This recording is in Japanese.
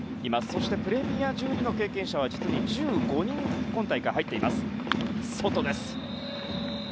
そして、プレミア１２経験者は１５人今大会、入っています。